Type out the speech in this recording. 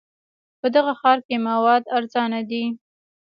په دغه ښار کې مواد ارزانه دي.